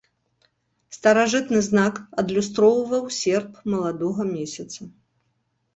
Старажытны знак адлюстроўваў серп маладога месяца.